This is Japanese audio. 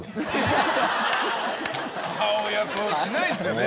母親としないですよね。